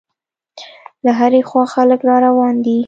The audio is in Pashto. له هرې خوا خلک را روان دي.